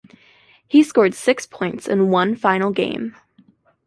He scored six points in one final game.